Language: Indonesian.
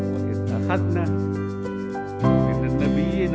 dan kita terima kasih